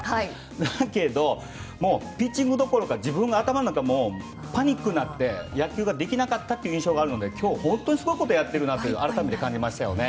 だけど、ピッチングどころか自分の頭の中がパニックになって野球ができなかった印象があったので今日、本当にすごいことをやっているなと改めて、感じましたね。